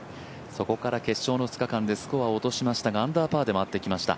そこから決勝の２日間でスコアを落としましたが、アンダーパーで回ってきました。